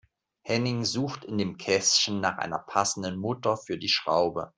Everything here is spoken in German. Henning sucht in dem Kästchen nach einer passenden Mutter für die Schraube.